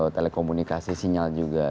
telekomunikasi sinyal juga